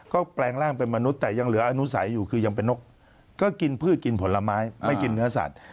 ก็แปลงร่างเป็นมนุษย์แต่ยังเหลืออนุสัยอยู่คือยังเป็นนกก็กินพืชกินผลไม้ไม่กินเนื้อสัตว์